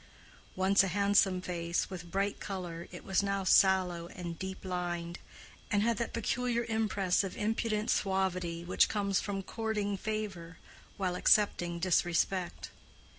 Once a handsome face, with bright color, it was now sallow and deep lined, and had that peculiar impress of impudent suavity which comes from courting favor while accepting disrespect.